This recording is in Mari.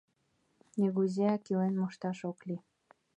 Нигузеак илен мошташ ок лий.